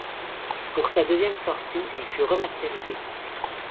Pour sa deuxième sortie, il fut remasterisé.